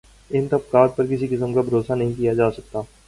ان طبقات پہ کسی قسم کا بھروسہ نہیں کیا جا سکتا۔